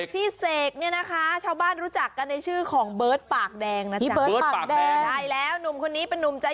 พี่เสกเนี่ยนะคะชาวบ้านรู้จักกันในชื่อของเบิร์ทปากแดงนะ